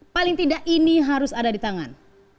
paling tidak ini harus ada di tangan